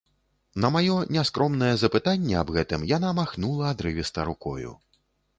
На маё няскромнае запытанне аб гэтым яна махнула адрывіста рукою.